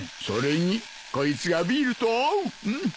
それにこいつがビールと合う。